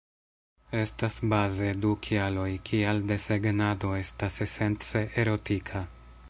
Estas baze du kialoj, kial desegnado estas esence erotika.